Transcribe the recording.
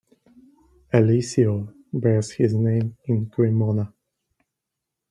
A "liceo" bears his name in Cremona.